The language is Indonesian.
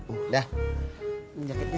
udah ini jaketnya